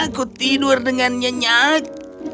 aku tidur dengan nyenyak